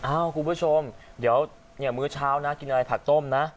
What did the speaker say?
อ้าวคุณผู้ชมเดี๋ยวเนี่ยมื้อเช้าน่ะกินอะไรผักโต้มนะ